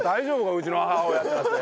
うちの母親ってなって。